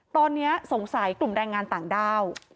ตอนนี้สงสัยกลุ่มแรงงานต่างด้าว